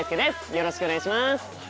よろしくお願いします。